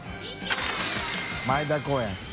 前田公園」